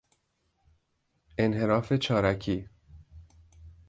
انحراف چارکی